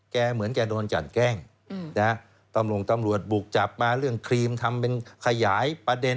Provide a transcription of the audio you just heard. เหมือนแกโดนกันแกล้งตำรวจบุกจับมาเรื่องครีมทำเป็นขยายประเด็น